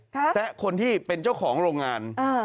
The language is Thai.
ครับแซะคนที่เป็นเจ้าของโรงงานอ่า